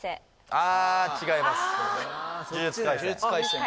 あ違います